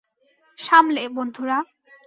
সামলে, বন্ধুরা।